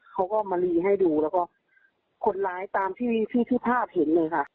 เขาก็มาลีให้ดูแล้วก็คนร้ายตามที่ที่ภาพเห็นเลยค่ะ